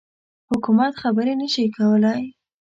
حکومت خبري نه شي کولای.